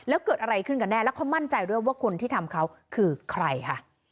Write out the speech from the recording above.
แล้วเกิดอะไรขึ้นกันแน่แล้วเขามั่นใจด้วยว่าคนที่ทำเขาคือใครค่ะ